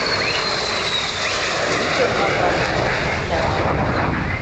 — Ит окмаклане, — чара Аркаш.